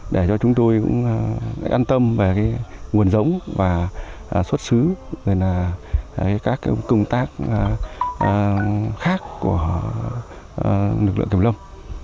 để cho chúng tôi cũng an tâm về nguồn rống và xuất xứ các công tác khác của nực lượng kiểm lâm